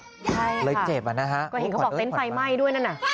ก็เห็นเขาบอกเต้นไฟไหม้ด้วยนั่นน่ะ